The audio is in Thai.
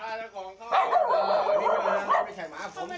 อาจจะไปไทยขายหมาของ